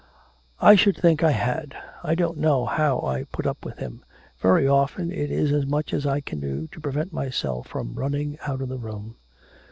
'I should think I had. I don't know how I put up with him. Very often it is as much as I can do to prevent myself from running out of the room.'